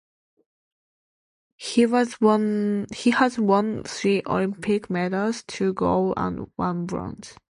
He has won three Olympic medals: two gold and one bronze.